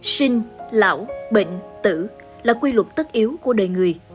sinh lão bệnh tử là quy luật tất yếu của đời người